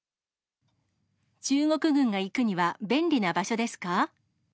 中国軍が行くには、便利な場所ですか？